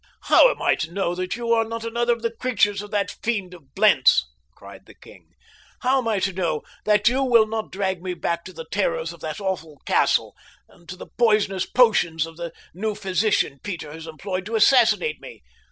"How am I to know that you are not another of the creatures of that fiend of Blentz?" cried the king. "How am I to know that you will not drag me back to the terrors of that awful castle, and to the poisonous potions of the new physician Peter has employed to assassinate me?